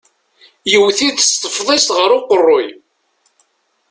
Yewwet-it s tefḍist ɣer uqeṛṛuy.